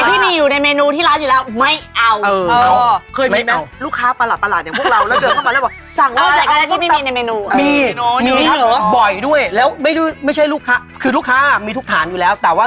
แต่ที่มีอยู่ในเมนูที่ร้านอยู่แล้วไม่เอา